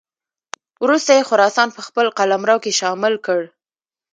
وروسته یې خراسان په خپل قلمرو کې شامل کړ.